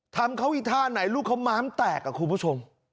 ทำเขาอีกท่าไหนลูกเขาม้ามแตกคุณผู้ชม